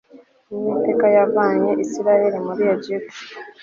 uwiteka yavanye isirayeli muri egiputa